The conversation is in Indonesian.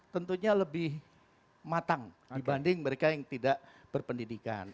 tentunya lebih matang dibanding mereka yang tidak berpendidikan